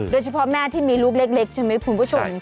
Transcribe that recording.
โดยเฉพาะแม่ที่มีลูกเล็กใช่ไหมคุณผู้ชม